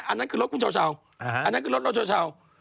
อันนั้นคือรถคุณเช่า